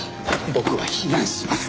僕は避難します。